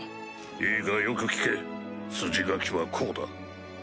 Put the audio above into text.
いいかよく聞け筋書きはこうだ。